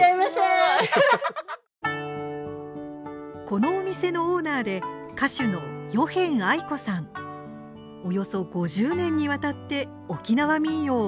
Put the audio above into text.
このお店のオーナーで歌手のおよそ５０年にわたって沖縄民謡を歌い続けています。